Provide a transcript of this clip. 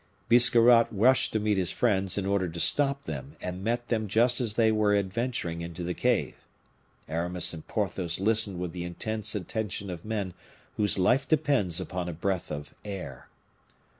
Biscarrat rushed to meet his friends in order to stop them, and met them just as they were adventuring into the cave. Aramis and Porthos listened with the intense attention of men whose life depends upon a breath of air.